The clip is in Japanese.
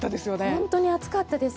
本当に暑かったです。